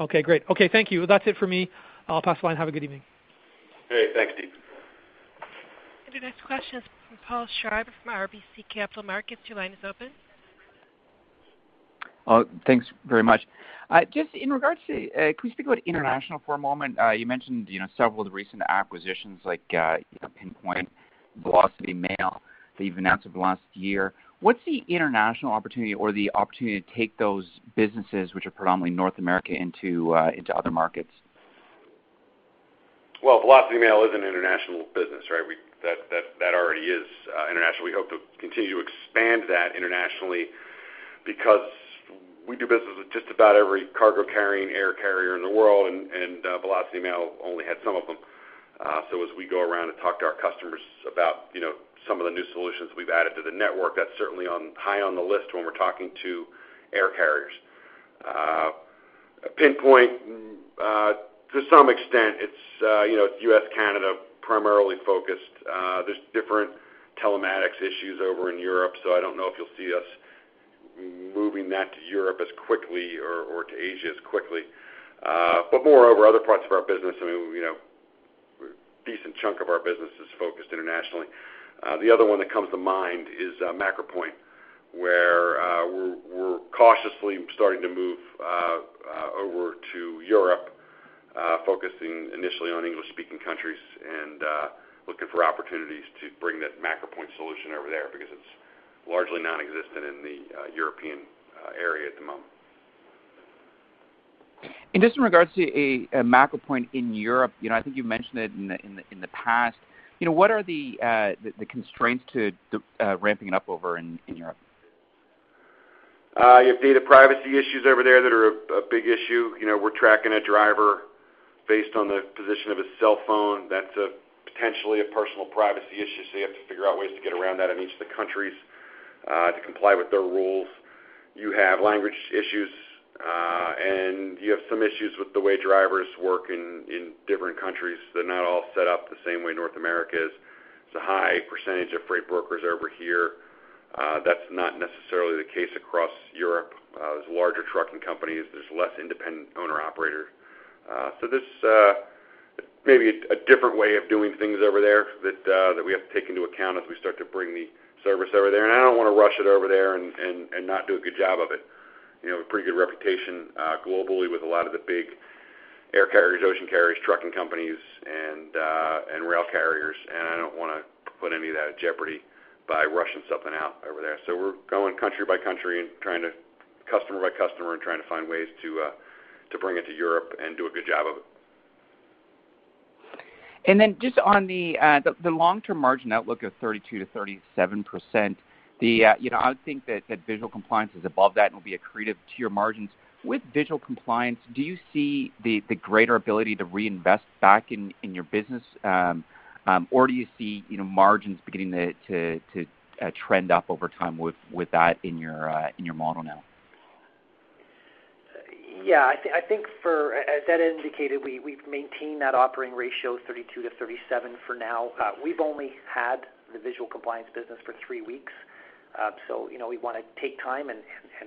Okay, great. Okay, thank you. That's it for me. I'll pass the line. Have a good evening. Great. Thanks, Steve. The next question is from Paul Treiber from RBC Capital Markets. Your line is open. Thanks very much. Can we speak about international for a moment? You mentioned several of the recent acquisitions like PinPoint, Velocity Mail that you've announced over the last year. What's the international opportunity or the opportunity to take those businesses, which are predominantly North America, into other markets? Well, Velocity Mail is an international business, right? That already is international. We hope to continue to expand that internationally because we do business with just about every cargo-carrying air carrier in the world, and Velocity Mail only had some of them. As we go around and talk to our customers about some of the new solutions we've added to the network, that's certainly high on the list when we're talking to air carriers. PinPoint, to some extent, it's U.S., Canada, primarily focused. There's different telematics issues over in Europe. I don't know if you'll see us moving that to Europe as quickly or to Asia as quickly. Moreover, other parts of our business, a decent chunk of our business is focused internationally. The other one that comes to mind is MacroPoint, where we're cautiously starting to move over to Europe, focusing initially on English-speaking countries and looking for opportunities to bring that MacroPoint solution over there because it's largely nonexistent in the European area at the moment. Just in regards to MacroPoint in Europe, I think you mentioned it in the past. What are the constraints to ramping it up over in Europe? You have data privacy issues over there that are a big issue. We're tracking a driver based on the position of his cell phone. That's potentially a personal privacy issue, so you have to figure out ways to get around that in each of the countries to comply with their rules. You have language issues, you have some issues with the way drivers work in different countries. They're not all set up the same way North America is. There's a high percentage of freight brokers over here. That's not necessarily the case across Europe. There's larger trucking companies, there's less independent owner-operators. This may be a different way of doing things over there that we have to take into account as we start to bring the service over there. I don't want to rush it over there and not do a good job of it. We have a pretty good reputation globally with a lot of the big air carriers, ocean carriers, trucking companies, and rail carriers, and I don't want to put any of that at jeopardy by rushing something out over there. We're going country by country and customer by customer and trying to find ways to bring it to Europe and do a good job of it. Just on the long-term margin outlook of 32%-37%, I would think that Visual Compliance is above that and will be accretive to your margins. With Visual Compliance, do you see the greater ability to reinvest back in your business? Or do you see margins beginning to trend up over time with that in your model now? I think as Ed indicated, we've maintained that operating ratio of 32-37 for now. We've only had the Visual Compliance business for three weeks. We want to take time and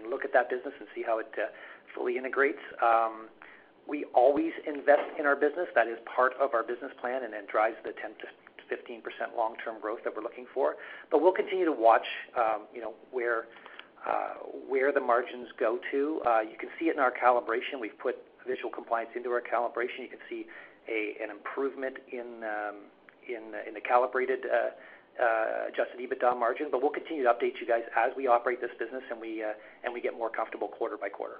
look at that business and see how it fully integrates. We always invest in our business. That is part of our business plan and it drives the 10%-15% long-term growth that we're looking for. We'll continue to watch where the margins go to. You can see it in our calibration. We've put Visual Compliance into our calibration. You can see an improvement in the calibrated Adjusted EBITDA margin. We'll continue to update you guys as we operate this business and we get more comfortable quarter by quarter.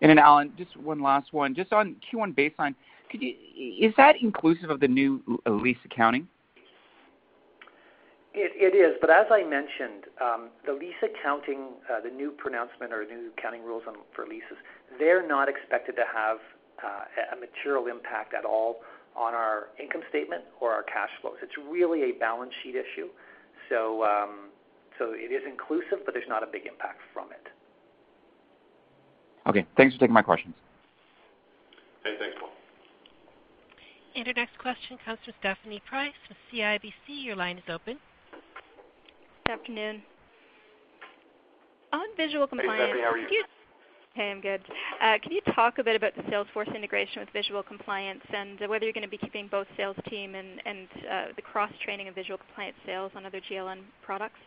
Allan, just one last one. Just on Q1 baseline, is that inclusive of the new lease accounting? It is, as I mentioned, the lease accounting, the new pronouncement or new accounting rules for leases, they're not expected to have a material impact at all on our income statement or our cash flows. It's really a balance sheet issue. It is inclusive, but there's not a big impact from it. Okay. Thanks for taking my questions. Hey, thanks, Paul. Our next question comes from Stephanie Price with CIBC. Your line is open. Good afternoon. On Visual Compliance. Hey, Stephanie. How are you? Hey, I'm good. Can you talk a bit about the sales force integration with Visual Compliance and whether you're going to be keeping both sales team and the cross-training of Visual Compliance sales on other GLN products?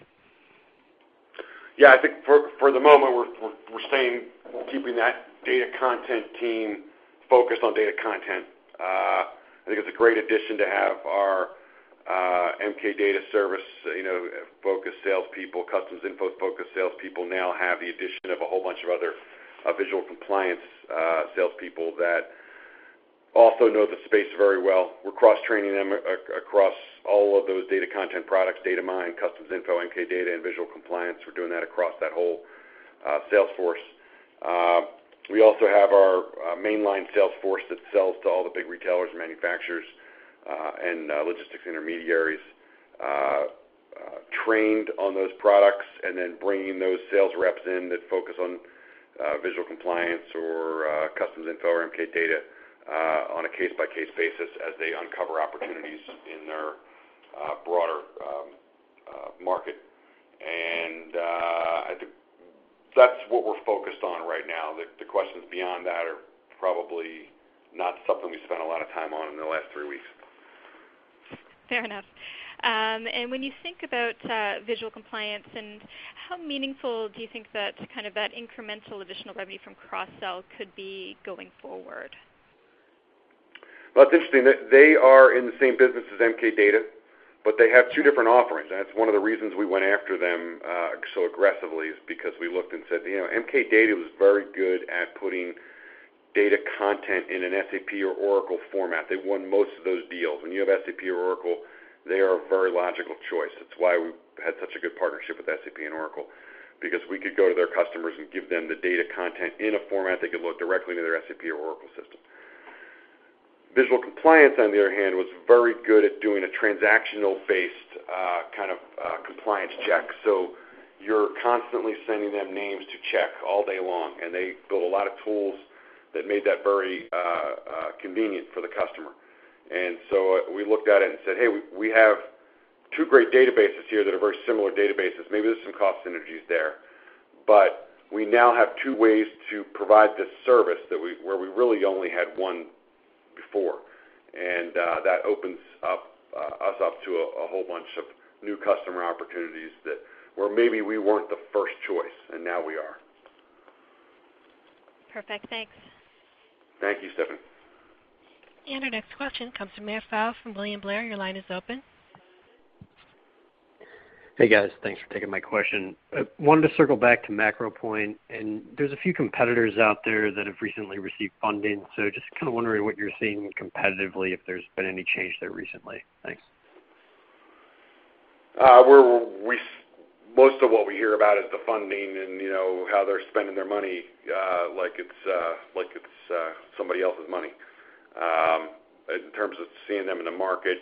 Yeah, I think for the moment, we're keeping that data content team focused on data content. I think it's a great addition to have our MK Data service-focused salespeople, Customs Info-focused salespeople now have the addition of a whole bunch of other Visual Compliance salespeople that also know the space very well. We're cross-training them across all of those data content products, Datamyne, Customs Info, MK Data, and Visual Compliance. We're doing that across that whole sales force. We also have our mainline sales force that sells to all the big retailers and manufacturers and logistics intermediaries trained on those products, and then bringing those sales reps in that focus on Visual Compliance or Customs Info or MK Data on a case-by-case basis as they uncover opportunities in their broader market. I think that's what we're focused on right now. The questions beyond that are probably not something we spent a lot of time on in the last three weeks. Fair enough. When you think about Visual Compliance and how meaningful do you think that kind of that incremental additional revenue from cross-sell could be going forward? Well, it's interesting. They are in the same business as MK Data, but they have two different offerings. That's one of the reasons we went after them so aggressively is because we looked and said, MK Data was very good at putting data content in an SAP or Oracle format. They won most of those deals. When you have SAP or Oracle, they are a very logical choice. That's why we had such a good partnership with SAP and Oracle, because we could go to their customers and give them the data content in a format that could load directly to their SAP or Oracle system. Visual Compliance, on the other hand, was very good at doing a transactional-based kind of compliance check. You're constantly sending them names to check all day long, and they built a lot of tools that made that very convenient for the customer. We looked at it and said, "Hey, we have two great databases here that are very similar databases. Maybe there's some cost synergies there." We now have two ways to provide this service where we really only had one before. That opens us up to a whole bunch of new customer opportunities that where maybe we weren't the first choice, and now we are. Perfect. Thanks. Thank you, Stephanie. Our next question comes from {inaudilble} from William Blair. Your line is open. Hey, guys. Thanks for taking my question. I wanted to circle back to MacroPoint. There's a few competitors out there that have recently received funding. Just kind of wondering what you're seeing competitively, if there's been any change there recently. Thanks. Most of what we hear about is the funding and how they're spending their money, like it's somebody else's money. In terms of seeing them in the market,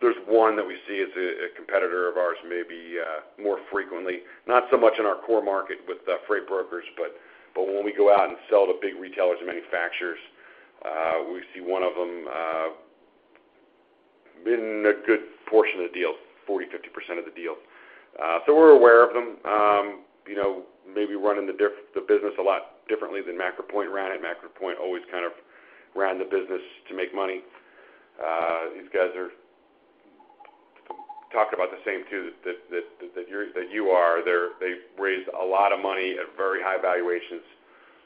there's one that we see as a competitor of ours, maybe more frequently, not so much in our core market with the freight brokers, but when we go out and sell to big retailers and manufacturers, we see one of them in a good portion of the deals, 40%-50% of the deals. We're aware of them. Maybe running the business a lot differently than MacroPoint ran it. MacroPoint always kind of ran the business to make money. These guys are talking about the same too, that you are. They've raised a lot of money at very high valuations.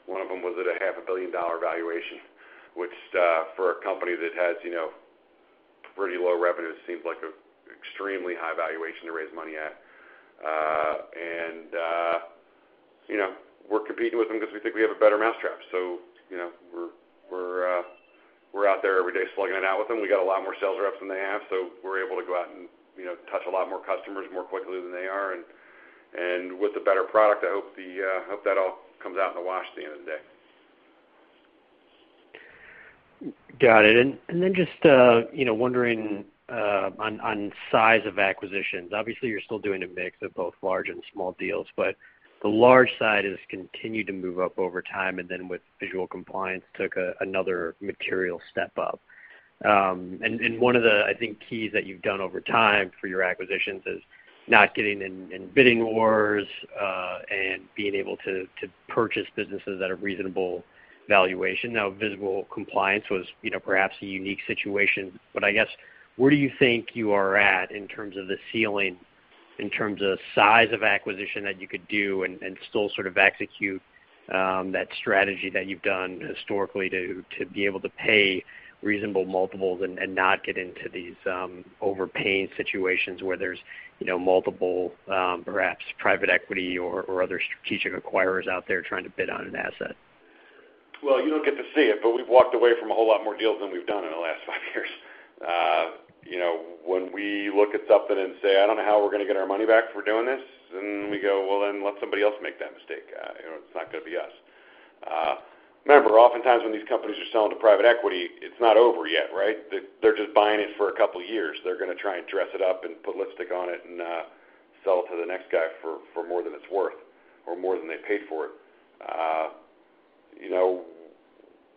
One of them was at a half a billion dollar valuation, which, for a company that has pretty low revenues, seems like an extremely high valuation to raise money at. We're competing with them because we think we have a better mousetrap. We're out there every day slogging it out with them. We got a lot more sales reps than they have. We're able to go out and touch a lot more customers more quickly than they are, and with a better product. I hope that all comes out in the wash at the end of the day. Got it. Just wondering on size of acquisitions. Obviously, you're still doing a mix of both large and small deals, but the large side has continued to move up over time. With Visual Compliance took another material step up. One of the, I think, keys that you've done over time for your acquisitions is not getting in bidding wars, being able to purchase businesses that are reasonable valuation. Now, Visual Compliance was perhaps a unique situation. I guess, where do you think you are at in terms of the ceiling, in terms of size of acquisition that you could do and still sort of execute that strategy that you've done historically to be able to pay reasonable multiples and not get into these overpaying situations where there's multiple, perhaps private equity or other strategic acquirers out there trying to bid on an asset? Well, you don't get to see it, but we've walked away from a whole lot more deals than we've done in the last five years. When we look at something and say, "I don't know how we're going to get our money back if we're doing this," then we go, "Well, then let somebody else make that mistake. It's not going to be us." Remember, oftentimes when these companies are selling to private equity, it's not over yet, right? They're just buying it for a couple of years. They're going to try and dress it up and put lipstick on it and sell it to the next guy for more than it's worth or more than they paid for it.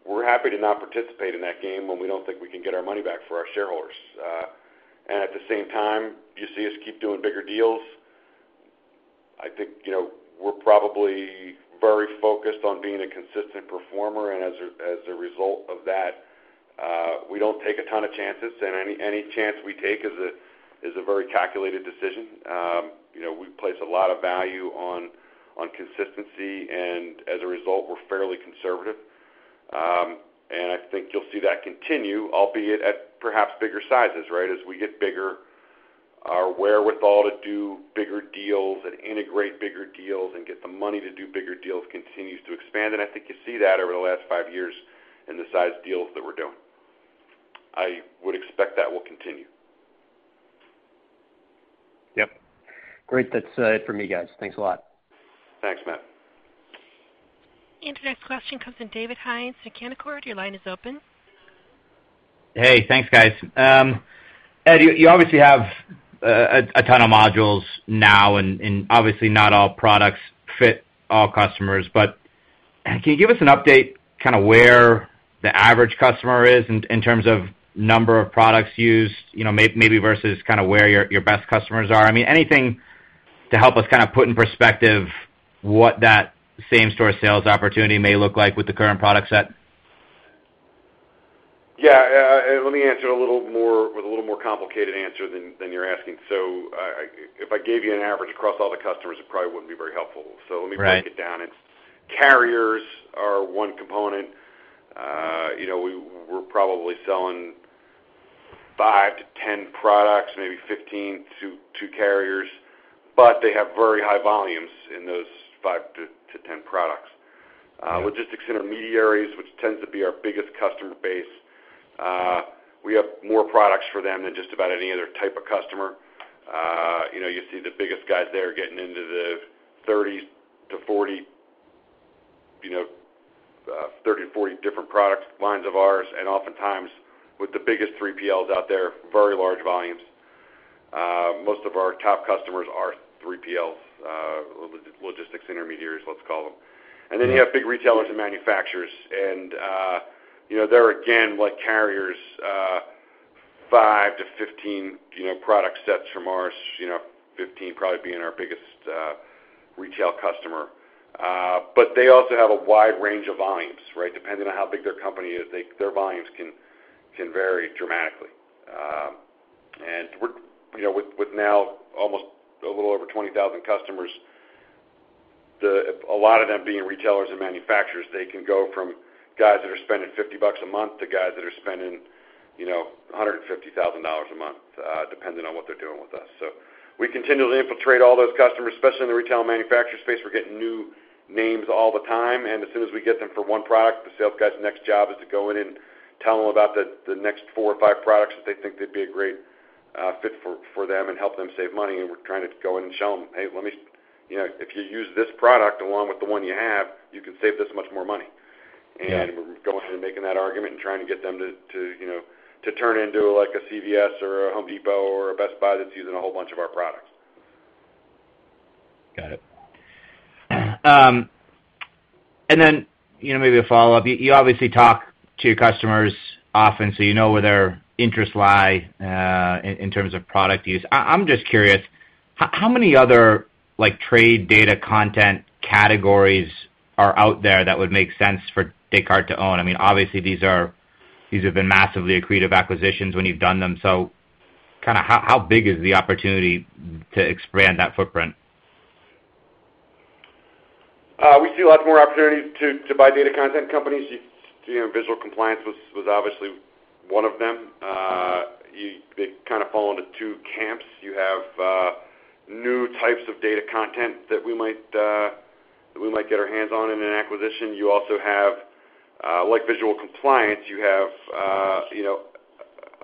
We're happy to not participate in that game when we don't think we can get our money back for our shareholders. At the same time, you see us keep doing bigger deals. I think we're probably very focused on being a consistent performer, and as a result of that, we don't take a ton of chances. Any chance we take is a very calculated decision. We place a lot of value on consistency, and as a result, we're fairly conservative. I think you'll see that continue, albeit at perhaps bigger sizes, right? As we get bigger, our wherewithal to do bigger deals and integrate bigger deals and get the money to do bigger deals continues to expand. I think you see that over the last five years in the size deals that we're doing. I would expect that will continue. Yep. Great. That's it for me, guys. Thanks a lot. Thanks, Matt. Today's question comes from David Hynes at Canaccord. Your line is open. Hey, thanks guys. Ed, you obviously have a ton of modules now, obviously not all products fit all customers, but can you give us an update, kind of where the average customer is in terms of number of products used, maybe versus where your best customers are? I mean, anything to help us put in perspective what that same-store sales opportunity may look like with the current product set? Yeah. Let me answer with a little more complicated answer than you're asking. If I gave you an average across all the customers, it probably wouldn't be very helpful. Let me break it down. Right. Carriers are one component. We're probably selling 5-10 products, maybe 15 to carriers, they have very high volumes in those 5-10 products. Logistics intermediaries, which tends to be our biggest customer base, we have more products for them than just about any other type of customer. You see the biggest guys there getting into the 30-40 different product lines of ours, oftentimes with the biggest 3PLs out there, very large volumes. Most of our top customers are 3PLs, logistics intermediaries, let's call them. You have big retailers and manufacturers, they're again, like carriers, 5-15 product sets from ours, 15 probably being our biggest retail customer. They also have a wide range of volumes, right? Depending on how big their company is, their volumes can vary dramatically. With now almost a little over 20,000 customers, a lot of them being retailers and manufacturers, they can go from guys that are spending 50 bucks a month to guys that are spending 150,000 dollars a month, depending on what they're doing with us. We continually infiltrate all those customers, especially in the retail and manufacturer space. We're getting new names all the time, and as soon as we get them for one product, the sales guy's next job is to go in and tell them about the next four or five products that they think they'd be a great fit for them and help them save money. We're trying to go in and show them, "Hey, if you use this product along with the one you have, you can save this much more money. Yeah. We're going in and making that argument and trying to get them to turn into a CVS or a Home Depot or a Best Buy that's using a whole bunch of our products. Got it. Maybe a follow-up. You obviously talk to your customers often, so you know where their interests lie, in terms of product use. I'm just curious, how many other trade data content categories are out there that would make sense for Descartes to own? Obviously, these have been massively accretive acquisitions when you've done them. How big is the opportunity to expand that footprint? We see lots more opportunities to buy data content companies. Visual Compliance was obviously one of them. They kind of fall into two camps. You have new types of data content that we might get our hands on in an acquisition. You also have, like Visual Compliance, you have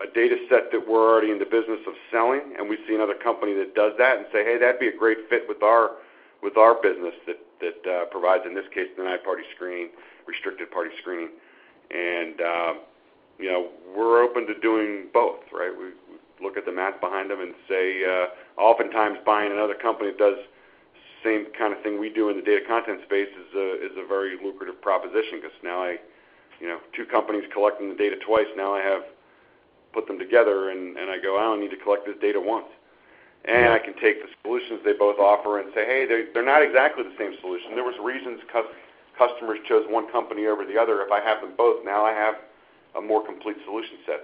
a data set that we're already in the business of selling, and we see another company that does that and say, "Hey, that'd be a great fit with our business that provides," in this case, the denied party screening, restricted party screening. We're open to doing both, right? We look at the math behind them and say, oftentimes buying another company that does the same kind of thing we do in the data content space is a very lucrative proposition because now two companies collecting the data twice, now I have put them together and I go, "Oh, I need to collect this data once." I can take the solutions they both offer and say, "Hey, they're not exactly the same solution. There was reasons customers chose one company over the other. If I have them both, now I have a more complete solution set."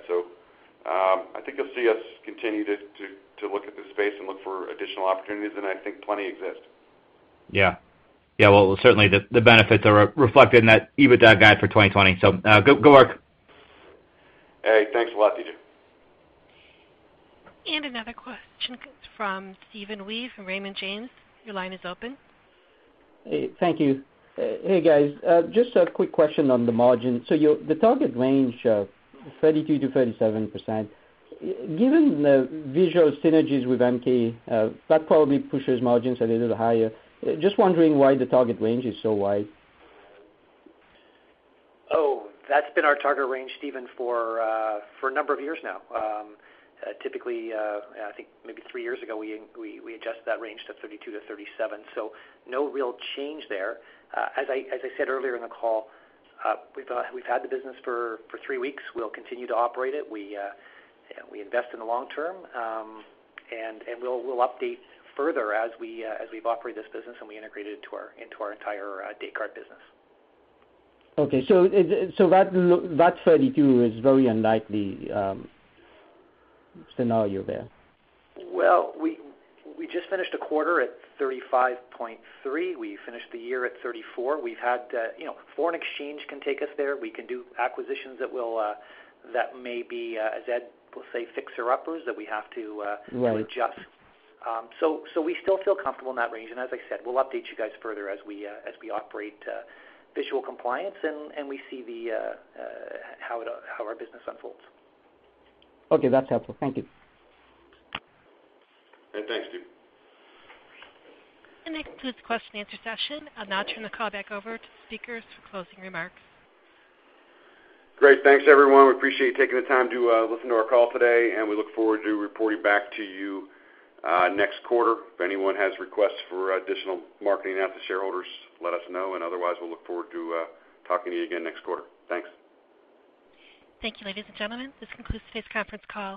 I think you'll see us continue to look at this space and look for additional opportunities, and I think plenty exist. Yeah. Certainly the benefits are reflected in that EBITDA guide for 2020. Good work. Hey, thanks a lot, David. Another question comes from Steven Li from Raymond James. Your line is open. Hey, thank you. Hey, guys. Just a quick question on the margin. The target range of 32%-37%, given the visual synergies with MK, that probably pushes margins a little higher. Just wondering why the target range is so wide. That's been our target range, Steven, for a number of years now. Typically, I think maybe three years ago, we adjusted that range to 32%-37%. No real change there. As I said earlier in the call, we've had the business for three weeks. We'll continue to operate it. We invest in the long term, and we'll update further as we've operated this business and we integrate it into our entire Descartes business. Okay. That 32% is very unlikely scenario there. Well, we just finished a quarter at 35.3%. We finished the year at 34%. Foreign exchange can take us there. We can do acquisitions that may be, as Ed will say, fixer-uppers. Right adjust. We still feel comfortable in that range, and as I said, we'll update you guys further as we operate Visual Compliance and we see how our business unfolds. Okay. That's helpful. Thank you. Thanks, Steven. That concludes the question and answer session. I'll now turn the call back over to the speakers for closing remarks. Great. Thanks, everyone. We appreciate you taking the time to listen to our call today, and we look forward to reporting back to you next quarter. If anyone has requests for additional marketing out to shareholders, let us know, and otherwise, we'll look forward to talking to you again next quarter. Thanks. Thank you, ladies and gentlemen. This concludes today's conference call.